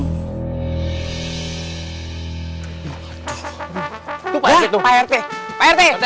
wah pak rt pak rt